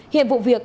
hiện vụ việc